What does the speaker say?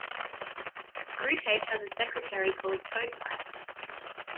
Screwtape has a secretary called Toadpipe.